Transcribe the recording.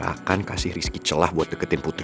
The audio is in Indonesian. gue gak akan kasih risky celah buat deketin putri